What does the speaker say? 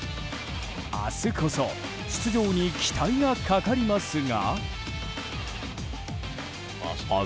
明日こそ出場に期待がかかりますが。